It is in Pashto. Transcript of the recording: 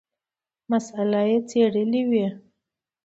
مساله یې څېړلې وي.